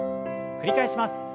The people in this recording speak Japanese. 繰り返します。